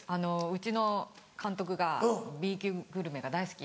うちの監督がＢ級グルメが大好きで。